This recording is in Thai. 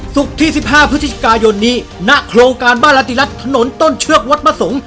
ที่๑๕พฤศจิกายนนี้ณโครงการบ้านรติรัฐถนนต้นเชือกวัดประสงค์